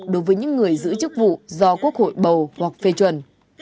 đối với những người giữ chức vụ do quốc hội bầu hoặc phê chuẩn